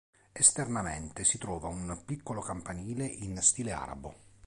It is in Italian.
Esternamente si trova un piccolo campanile in stile arabo.